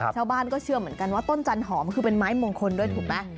ชาวบ้านก็เชื่อเหมือนกันว่าต้นจันหอมคือเป็นไม้มงคลด้วยถูกไหม